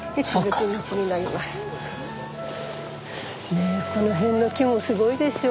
ねえこの辺の木もすごいでしょ。